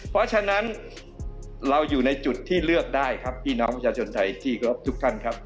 เพราะฉะนั้นเราอยู่ในจุดที่เลือกได้ครับพี่น้องประชาชนไทยจีกรบทุกท่านครับ